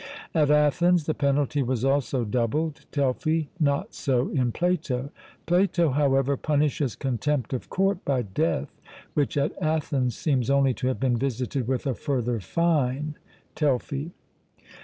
At Athens the penalty was also doubled (Telfy); not so in Plato. Plato however punishes contempt of court by death, which at Athens seems only to have been visited with a further fine (Telfy).